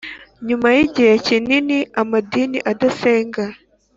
nyuma yigihe kinini amadini adasenga